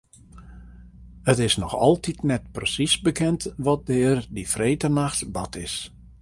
It is noch altyd net presiis bekend wat der dy freedtenachts bard is.